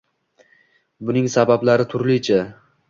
Buning sabablari turlicha.